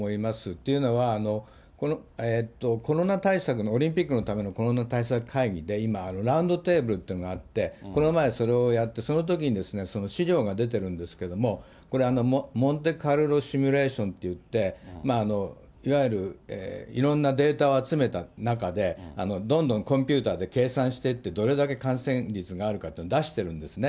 というのは、このコロナ対策、オリンピックのためのコロナ対策会議で今、ラウンドテーブルというのがあって、この前それをやって、そのときに資料が出てるんですけれども、これ、モンテカルロシミュレーションといって、いわゆるいろんなデータを集めた中で、どんどんコンピューターで計算していって、どれだけ感染率があるかっていうのを出してるんですね。